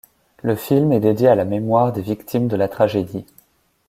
Le film est dédié à la mémoire des victimes de la tragédie.